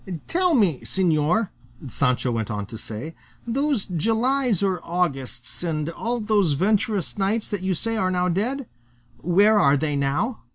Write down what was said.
"Tell me, señor," Sancho went on to say, "those Julys or Augusts, and all those venturous knights that you say are now dead where are they now?"